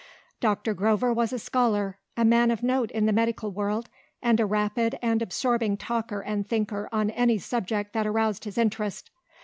Doctor Grover was a scholar, a man of note in the medical world, and a rapid and absorbing talker and thinker on any subject that aroused his interest.